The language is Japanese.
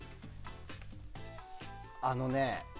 あのね。